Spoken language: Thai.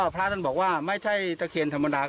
พระท่านบอกว่าไม่ใช่ตะเคียนธรรมดา